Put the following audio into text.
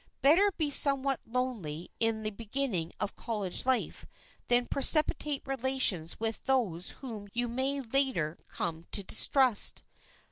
Better be somewhat lonely in the beginning of college life than precipitate relations with those whom you may later come to distrust.